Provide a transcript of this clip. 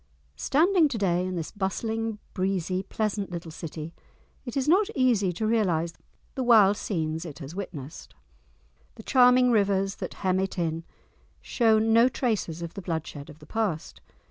Standing to day in this bustling, breezy, pleasant little city, it is not easy to realise the wild scenes it has witnessed. The charming rivers that hem it in show no traces of the bloodshed of the past.